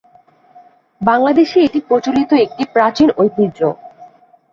বাংলাদেশে এটি প্রচলিত একটি প্রাচীন ঐতিহ্য।